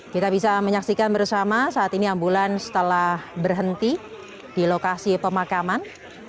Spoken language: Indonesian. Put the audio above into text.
kita bisa menyaksikan bersama saat ini ambulans telah berhenti di lokasi pemakaman